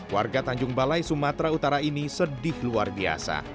warga tanjung balai sumatera utara ini sedih luar biasa